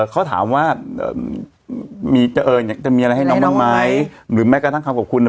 เขาถามว่ามีจะเอ่ออยากจะมีอะไรให้น้องบ้างไหมหรือแม้กระทั่งคำขอบคุณอ่ะ